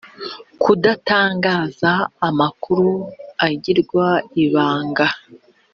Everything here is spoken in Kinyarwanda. kudatangaza amakuru agirwa ibanga